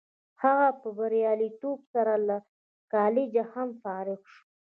هغه په بریالیتوب سره له کالجه هم فارغ شو